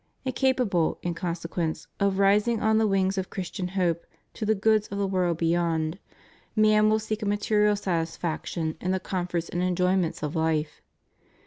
Incapable, in consequence, of rising on the wings of Chris tian hope to the goods of the world beyond, man will seek a material satisfaction in the comforts and enjoyments of life.